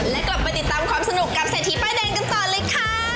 และกลับไปติดตามความสนุกกับเศรษฐีป้ายแดงกันต่อเลยค่ะ